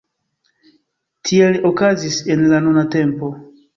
Tiel okazis en la nuna tempo.